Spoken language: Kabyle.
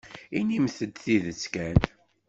Inimt-d tidet kan.